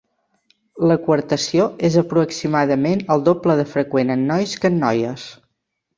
La coartació és aproximadament el doble de freqüent en nois que en noies.